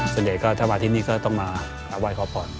ส่วนใหญ่ก็ถ้ามาที่นี่ก็ต้องมาไหว้ขอพร